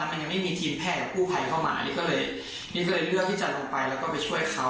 แล้วตะมันยังไม่มีทีมแพทย์อะผู้ภัยเข้ามาลิ้สเลยเลือกที่จะลงไปแล้วก็ไปช่วยเขา